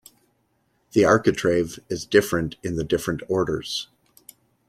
The architrave is different in the different orders.